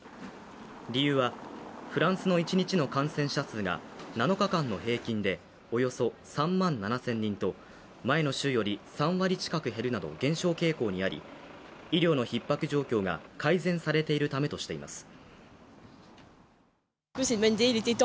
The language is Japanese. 理由はフランスの一日の感染者数が７日間の平均でおよそ３万７０００人と、前の週より３割近く減るなど減少傾向にあり医療のひっ迫状況が改善されているためとしています。